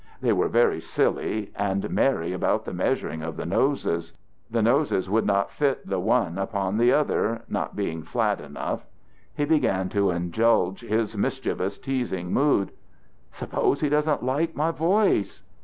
They were very silly and merry about the measuring of the noses. The noses would not fit the one upon the other, not being flat enough. He began to indulge his mischievous, teasing mood: "Suppose he doesn't like my voice!"